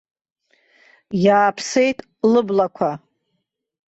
Иааԥсеит лыблақәа!